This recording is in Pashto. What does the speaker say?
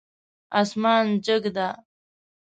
اسمان جګ ده